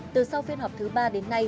từ sau phiên họp thứ ba đến nay